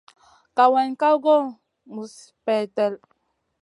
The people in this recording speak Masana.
Kawayna ka goy muzi peldet.